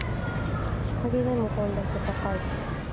日陰でもこれだけ高い。